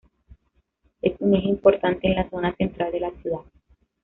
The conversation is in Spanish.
Es un eje importante en la zona central de la ciudad.